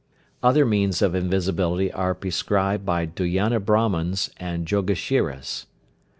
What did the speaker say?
Other means of invisibility are prescribed by Duyana Brahmans and Jogashiras.